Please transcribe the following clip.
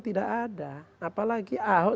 tidak ada apalagi ahok